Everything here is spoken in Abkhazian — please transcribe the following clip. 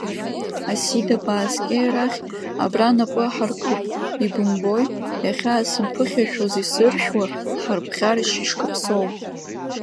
Асида, бааскьеи арахь, абра напы аҳаркып, ибымбои, иахьаасымԥыхьашәоз исыршәуа, харбӷьар ишкаԥсоу…